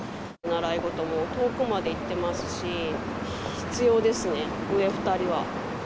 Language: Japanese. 習い事も遠くまで行ってますし、必要ですね、上２人は。